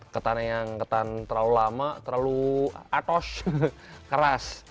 ketan yang ketan terlalu lama terlalu atos keras